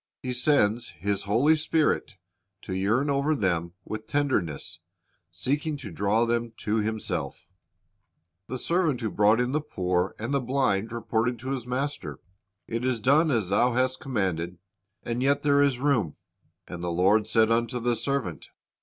He sends His Holy Spirit to yearn over them with tenderness, seeking to draw them to Himself The servant who brought in the poor and the blind reported to his master, "It is done as thou hast commanded, and yet there is room. And the lord said unto the servant.